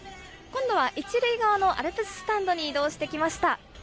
今度は１塁側のアルプススタンドに移動してきました。